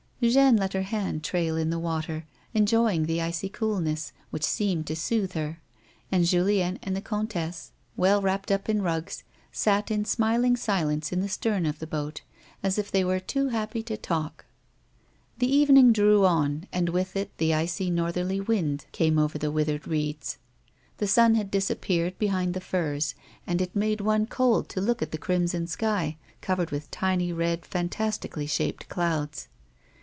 Jeanne let her hand trail in the water, en joying the icy coolness which seemed to soothe her, and Julien and the comtesse, well wrapped up in rugs, sat in smiling silence in the stern of the boat, as if they were too happy to talk. The evening drew on, and with it the icy, northerly wind came over the withered reeds. The sun had disappeared behind the firs, and it made one cold only to look at the crimson sky, covered with tiny, red, fantastically shaped clouds.